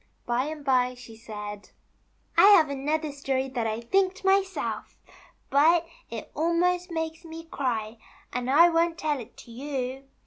By and by she said : I have another story that I thinked myself, but it almost makes me cry, and I won't tell it to you.